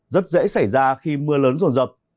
rất dễ xảy ra khi mưa lớn ruồn rập